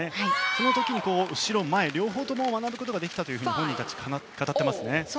その時に後ろと前両方とも学ぶことができたと本人は語っていますね。